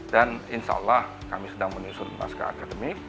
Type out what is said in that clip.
dan insya allah kami sedang menyusun masker akademik